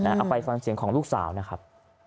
เอาไปฟังเสียงของลูกสาวนะครับ